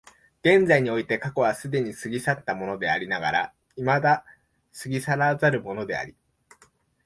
現在において過去は既に過ぎ去ったものでありながら未だ過ぎ去らざるものであり、